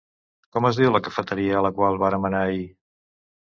Com es diu la cafeteria a la qual vàrem anar ahir?